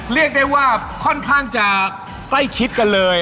เรียกได้ว่าค่อนข้างจะใกล้ชิดกันเลย